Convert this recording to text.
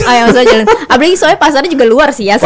apalagi soalnya pasarnya juga luar sih ya